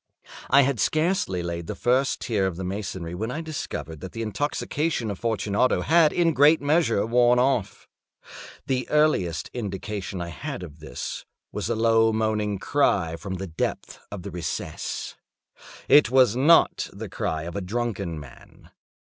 I had scarcely laid the first tier of my masonry when I discovered that the intoxication of Fortunato had in a great measure worn off. The earliest indication I had of this was a low moaning cry from the depth of the recess. It was not the cry of a drunken man.